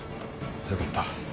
よかった。